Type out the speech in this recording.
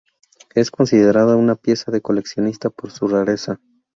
Es considerada una pieza de coleccionista por su rareza.